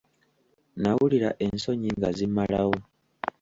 Nnawulira ensonyi nga zimmalawo.